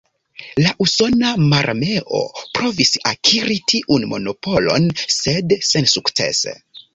La Usona Mararmeo provis akiri tiun monopolon, sed sensukcese.